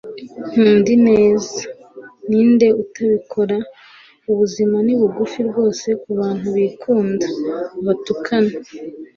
nkunda ineza. ninde utabikora? ubuzima ni bugufi rwose ku bantu bikunda, batukana